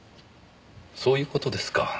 そういう事ですか。